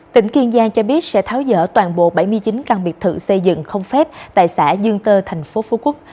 tỉnh kiên giang cho biết sẽ tháo dỡ toàn bộ bảy mươi chín căn biệt thự xây dựng không phép tại xã dương tơ thành phố phú quốc